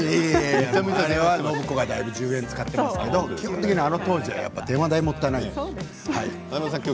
暢子がだいぶ１０円を使っていますけれども基本的にあの当時は電話代がもったいない。